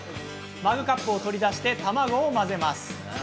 マグカップを取り出して卵を混ぜます。